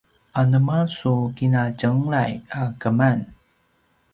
anema su kinatjenglay a keman?